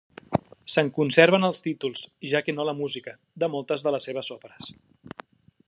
Se'n conserven els títols, ja que no la música, de moltes de les seves òperes.